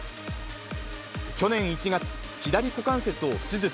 去年１月、左股関節を手術。